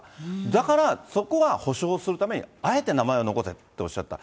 だからそこは補償するためにあえて名前を残せとおっしゃった。